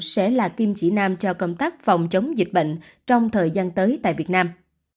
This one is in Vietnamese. sẽ là kim chỉ nam cho công tác phòng chống dịch bệnh trong thời gian tới tại việt nam